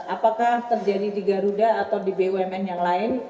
apakah terjadi di garuda atau di bumn yang lain